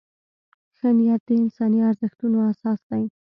ښه نیت د انساني ارزښتونو اساس دی.